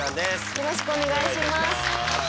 よろしくお願いします。